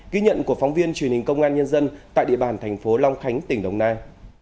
ghi nhận của phóng viên truyền hình công an nhân dân tại địa bàn thành phố long khánh tỉnh đồng nai